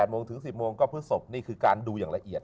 โมงถึง๑๐โมงก็พฤศพนี่คือการดูอย่างละเอียด